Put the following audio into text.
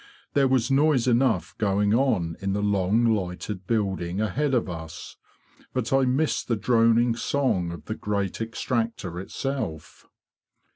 There was noise enough going on in the long lighted building ahead of us, but I hissed the droning song of the great extractor itself.